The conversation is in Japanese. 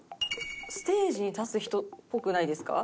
ステージに立つ人っぽくないですか？